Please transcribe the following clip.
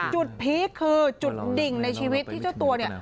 พีคคือจุดดิ่งในชีวิตที่เจ้าตัวเนี่ย